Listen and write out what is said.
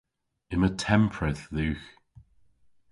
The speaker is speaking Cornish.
Yma tempredh dhywgh.